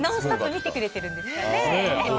見てくれてるんですかね。